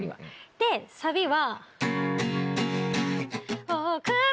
でサビは。